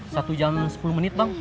satu jam sepuluh menit bang